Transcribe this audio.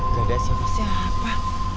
gak ada siapa siapa